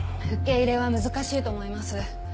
受け入れは難しいと思います。